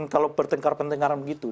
kalau bertengkar pentengkaran begitu